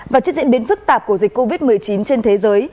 và trước diễn biến phức tạp của dịch covid một mươi chín trên thế giới